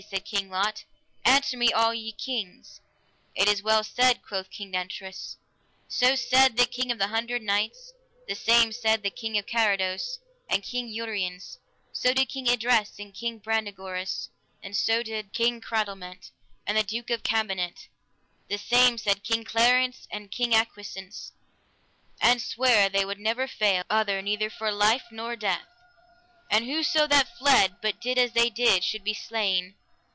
said King Lot, answer me all ye kings. It is well said, quoth King Nentres; so said the King of the Hundred Knights; the same said the King Carados, and King Uriens; so did King Idres and King Brandegoris; and so did King Cradelment, and the Duke of Cambenet; the same said King Clariance and King Agwisance, and sware they would never fail other, neither for life nor for death. And whoso that fled, but did as they did, should be slain.